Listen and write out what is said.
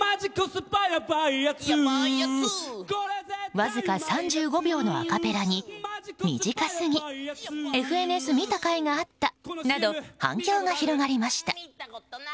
わずか３５秒のアカペラに短すぎＦＮＳ見たかいがあったなど反響が広がりました。